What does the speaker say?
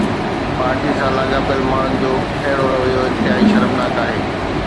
party سان لاڳاپيل ماڻهن جو اهڙو رويو انتهائي شرمناڪ آهي